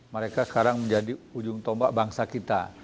mereka sekarang menjadi ujung tombak bangsa kita